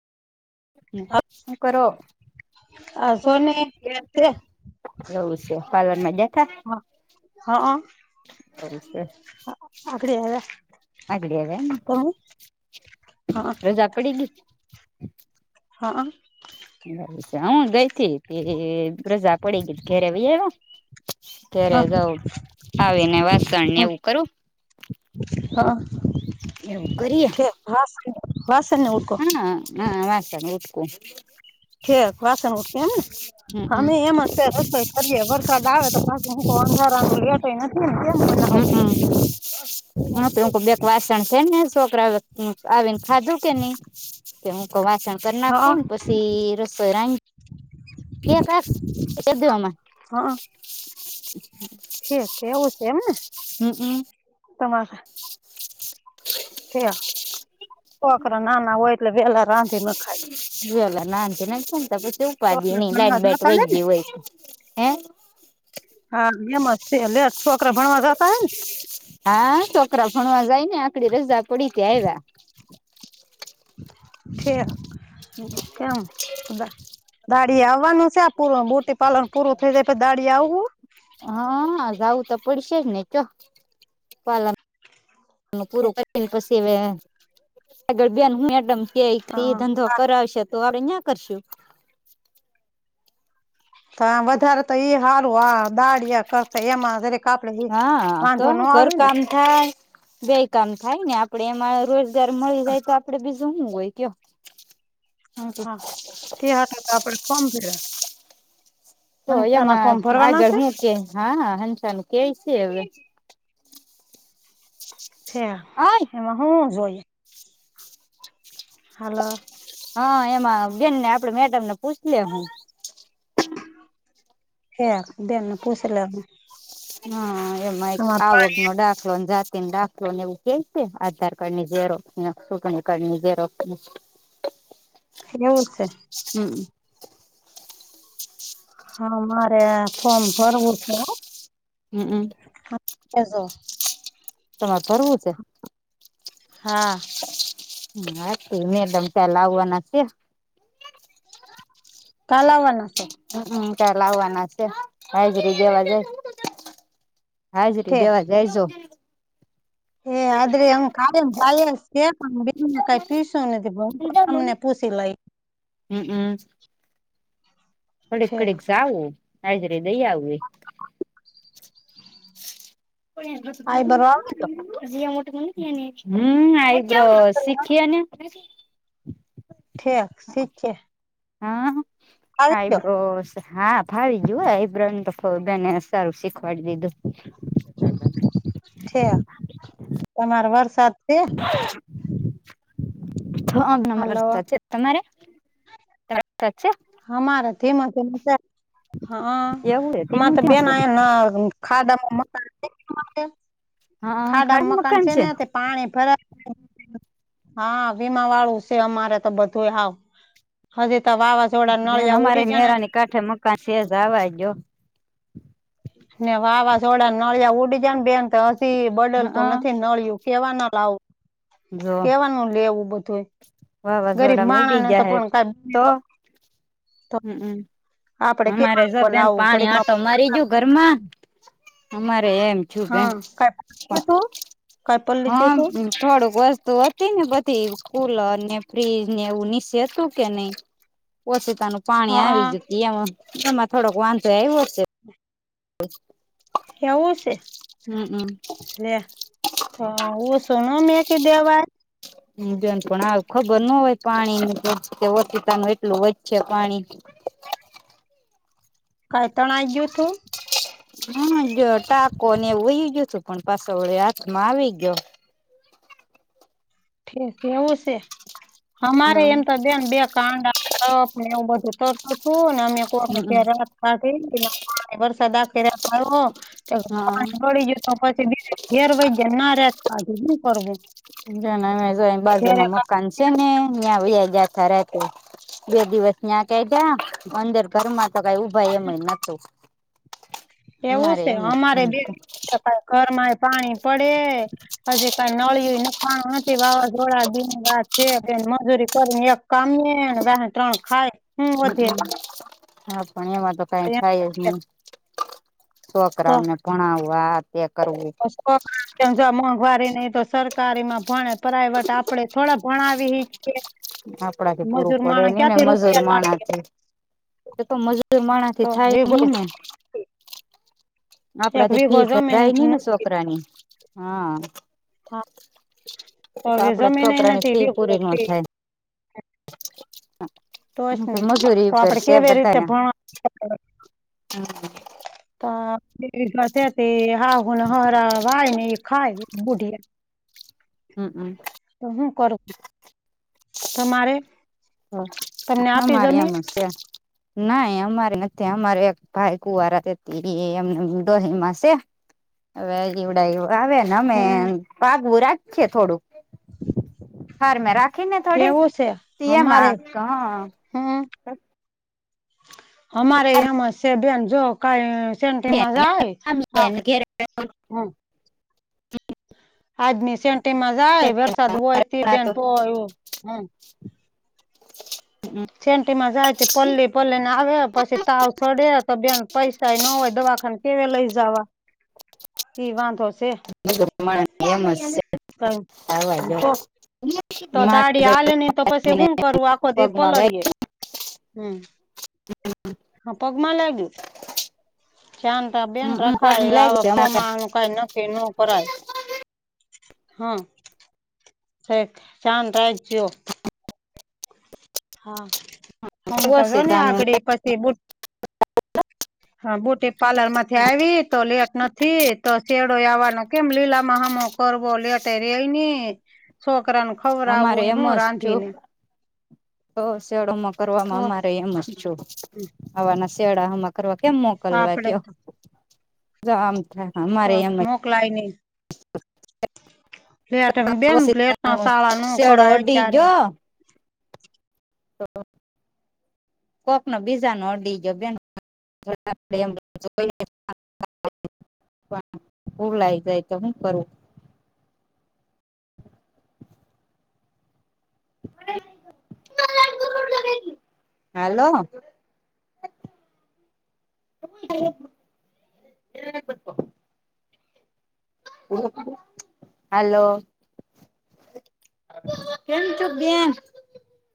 હું કરો? આ એવું સોને કે છે પાર્વરમાં ગ્યાતા? હા હ. સર આવ્યા [unintelligible] તમે હા રોજા પડી ગઈ? હ હ. હું ગઈ તે રજા પડી ગઈ ઘેરે વઈ આવ. ત્યારે જઉ આવીને વાસણ ને એવું કરું. હ. એવું કરીએ. હા વાસને ઉડકો. હા હા વાસણને ઉટકો. ઠક વાસણ ઉઠ કે એમને હમમ અમે એમે રસોઈ કરીએે વરસાદ આવે તો હ કોનાર લ તો એ નથી કેમ [unintelligible] હા તો હું બેક વાસણ છે ને છોકરા હ આવીને ખાધું કે નઈ. કે હું ક વાસણ કરી હા નાખું પછી રસોઈ રાંધી [inaudible] કે ક કે દવામા [unintelligible] હ હ. [inaudible] શ કે એવું છે એમને? હમ હમ. તમા થ કોકરા નાના હોય. એટલે વેલા રાંધી ન ખાય [unintelligible] [inaudible] નઈ લાઈટ છોકરા ભણવા બાટ વય જતા હે ને ગય હોય હે. હા એ મસ્લે છોકરા ભણવા જતા હો. હા છોકરા ભણવા જાય ને આકડી રજા પડી તે આવ્યા. ઠીક. [unintelligible] દાડીએ આવવાનું છે આ બુટીપાલર પૂરું થઈ જાય પછી દાડીએ આવવું. હા જાવું તો પડશે જ ને ક્યો પાર્લર. એ પૂરું કરીને પછી હવે આગળ બે મેડમ કે ઈ હા ધંધો કરાવશે તો આપડે ન્યા કરશું. તો વધારે તો એઈ હારું આ દાડિયા કરતા એમાં જરીક આપડે હા તો વાંધો ન આવે ને ઘરકામ થાય. બેય કામ થાય આપડે એમાં રોજગાર મળી જાય તો આપડે બીજું હું સુ હોય ક્યો. હા તે સાટુ તો આપડે ફોર્મ ભર્યા. તો મનતાના એમાં ફોર્મ ભરવાના આગળ છે હું કે હા હંસાનું કેઈ સે હવે. ઠીક. આઈ. એમાં હું હુ જોય? હાલો. હા એમાં બેનને આપડે મેડમને પૂછ લેહું. ઠીક બેનને પુછ લેહું. હા એમાં એક આવક નો દાખલો ને જાતિનો દાખલો. એવું કે છે આધાર કાર્ડ ની જેરોકસ ને ચૂંટણી કાર્ડ ની જેરોકસ. એવું જ છે. હમ. હા મારે ફોર્મ ભરવુંતું. હમમ. [unintelligible] તમારે ભરવું સે? હા. હા તો મેડમ કાલ આવવાના સે. કાલ આવવાના સે? હ હમ કાલ આવવાના સે હાજરી દેવા. હાજરી ઠે દેવા જાયજો. હે હાજરી [unintelligible] કઈ પુસ્યુ નથીને તમને પુસી લઈ. હમ હમ. ઘડીક ઠેક ઘડીક જાવું હાજરી દઇ આવવી. [unintelligible] તો આઈબ્રો આવી ગયો શીખીએને. ઠીક શીખીએ. હા આઈબરો હા ફાવી ગ્યું હો આઈબ્રોનું તો બેને સારું શીખવાડી દીધું. ઠીક તમારે વરસાદ છે? હા અમારે હાલો વરસાદ છે. તમારે? વરસાદ છે. હમારે ધીમો ધીમો છે હા એવું છે અમારે ધીમું તો થયું બેન છે [unintelligible] ખાડામાં મકાન છે ખાડામાં મકાન છે ને તે પાણી ભરાઈ. હા વીમા વાળું છે અમારે તો બધું હાવ હજી તો વાવા જોડા નલિયા ઉડી ગયા ને કાઠે મકાન છે જાવા દયો ને વાવાઝોડા નળિયા ઉડી ગયા ને બેન તે હજી બદલતું હઅ નથી નળિયું કેવા ના લાવું જો કેવાનું લેવું બધું ગરીબ માણા ને તો પણ કાઇ [inaudible] હમ્મ હમ્મ આપડે અમારે કેવાનું જો બેન બનાવું પાણી ઘડીકમાં આટો મારી ગયુ ઘરમાં અમારે એમ થયું બેન હા કઈ તું કઈ પલ્લી ગયું હા તું થોડુંક વસ્તુ હતી ને બધી કુલર ને ફ્રીજ ને એવું [unintelligible] હતું કે નહી ઓછીતાનું પાણી હા આવી ગયું એમ એમાં થોડોક વાંધો આવ્યો છે [inaudible] એવું છે હમમ લે [unintelligible] બેન પણ આ ખબર ના હોય પાણી [unintelligible] ઓચતીતાનું એટલું વધશે પાણી કાઈ તણાઈ ગયું તું હ જો ટાકો ને એવું વહી ગયું હતું પણ પાછો વડે હાથમાં આવી ગયો. ઠીક એવું છે અમારે હમ હમમ [unintelligible] [unintelligible] [inaudible] વરસાદ આખી રાત આવ્યો તો હા પાણી પળી ગયું [unintelligible] [unintelligible] ઘેરે બાજુમાં મકાન છે છે ને ત્યાં વયા ગયા તા રાતે બે દિવસ ત્યાં કાઢયા અંદર તો ઘરમાં [unintelligible] એવું અમારે છે એમ જ અમારે બે હતું ઘરમાં એ પાણી પડે હજી કઈ નળિયું નખાણુ નથી વાવઝોડાના દી વાત છે બેન મજૂરી કરીને એક કામીયે વાહે ત્રણ ખાય હું વધે હ પણ એમાં તો કાંઇ થાય જ નહી. છોકરાઓને ભણાવવા આ તે કરવું [unintelligible] જો મોંઘવારી નહી તો સરકારી માં ભણે પ્રાાઈવેટ આપડે થોડા ભણાવી હીકયે આપડા થી પૂરું પડે નઈ ને મજૂર રૂપિયા લાવીએ [unintelligible] તો તો મજૂર માણા તો થી થાય વીઘો નય ને આપડા એક થી વીઘો ફી જમીન ભરાય નહી ને નથી છોકરાની હા હા તો હવે આપડા જમીન છોકરા ની નથી ફી વીઘો પૂરી ન થાય તો જ ને મજૂરી તો ઉપર આપડે છે કેવી રીતે બધાના ભણવા [inaudible] [unintelligible] તે હા હુને હહરા વાય ને ખાાય બુઢિયા હમ્મ હમ્મ તો હું કરું તમારે તમને આપી જમીન નાય અમારે નથી અમારે એક ભાઈ કુવારા [unintelligible] ડોહી માં સે [inaudible] [unintelligible] હમ રાખીએ થોડુંક [unintelligible] કેવું છે અમારે હમ [unintelligible] અમારે એમ જ સે બેન જો કાઈ સેન્ટીમાં જાય ઘેરે એમ [unintelligible] આજની સેન્ટિમાં જાય વરસાદ હોય તી બેન તોય હોય હમ સેન્ટિમાં જાય પલ્લી પલ્લી ને આવે પછી તાવ ચડે તો બેન પૈસા ન હોય દવાખાને કે વે લઈ જાવા ઇ વાંધો છે સ્ કઈ આવા દયો તો તો દાડી આલે નહી તો પછી શું કરું આખો દી પગમાં લાગ પલળીએ હમ હા પગમાં લાગ્યું ચાદ બેન હમ રખાય પગમાં આવું લાગ્યું છે ચોમાસું તો કાઈ નક્કી નો કરાય હા ઢેક ધ્યાન રાખજો હા હમ અમા તો જો ને વર્ષતાનું આગળ પછી બુટ હા બ્યુટી પાર્લર માંથી આવી તો લેટ નથી તો શેડો આવવાનો કેમ લીલામાં હામુ કરવો લેટ રેયની છોકરાને અમારે ખવરાવવુંય એમ હું જ જો રાંધી ને તો શેડોમાં તો કરવામાં અમારેય એમ જ આપવાના શેડા હમાં કરવા કેમ મોકલવા આપડે કયો તો જો આમ છે તો મોકલાય નય બેન બ્લેક ના શાળા નો શેડો કરાય અડી અત્યારે ગયો કોક નો બીજા નો અડી ગયો બેન જો ભુલાય જાય તો હું કરવું હાલો હાલો કેમ છો બેન